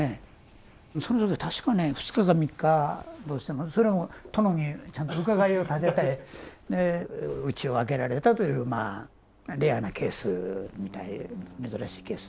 それは確かね２日か３日どうしてもそれも殿にちゃんと伺いを立ててうちを空けられたというレアなケース珍しいケースだったみたいですよ。